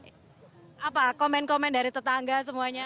apa komen komen dari tetangga semuanya